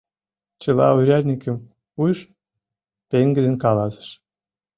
— Чыла урядникым ӱж! — пеҥгыдын каласыш.